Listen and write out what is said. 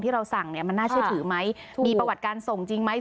เราสั่งเนี่ยมันน่าเชื่อถือไหมมีประวัติการส่งจริงไหม